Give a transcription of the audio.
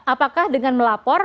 apakah dengan melapor